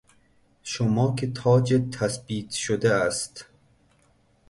شما که تاجِت تثبیت شده است